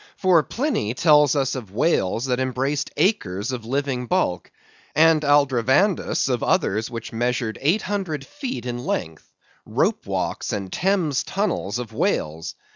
For Pliny tells us of whales that embraced acres of living bulk, and Aldrovandus of others which measured eight hundred feet in length—Rope Walks and Thames Tunnels of Whales!